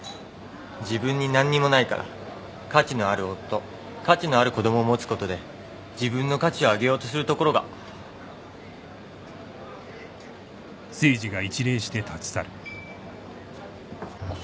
自分に何にもないから価値のある夫価値のある子供持つことで自分の価値を上げようとするところが。来ないで。